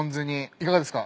いかがですか？